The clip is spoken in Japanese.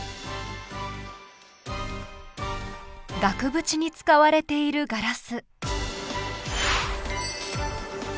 調理器具に使われているガラス。